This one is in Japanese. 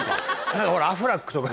何かほらアフラックとか。